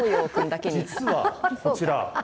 実は、こちら。